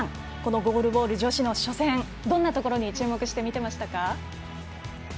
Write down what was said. ゴールボール女子の初戦どんなところに注目して見てましたか？